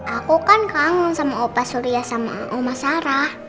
aku kan kangen sama opa surya sama oma sarah